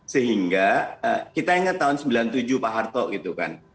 sehingga kita ingat tahun sembilan puluh tujuh pak harto gitu kan